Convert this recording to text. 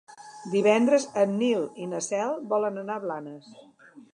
Divendres en Nil i na Cel volen anar a Blanes.